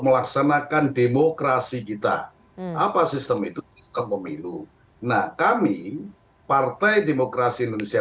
melaksanakan demokrasi kita apa sistem itu sistem pemilu nah kami partai demokrasi indonesia